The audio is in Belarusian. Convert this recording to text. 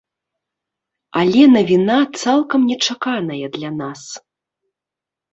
Але навіна цалкам нечаканая для нас.